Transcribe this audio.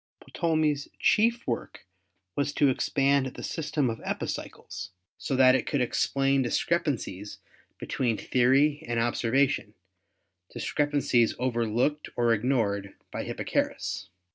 Ptolemy's chief work was to expand the system of epicycles so that it could explain discrepan cies between theory and observation, discrepancies over looked or ignored by Hipparchus.